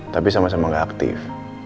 tapi sama sama gak aktif